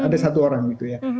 ada satu orang gitu ya